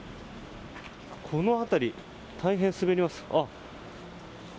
この辺り、大変滑ります。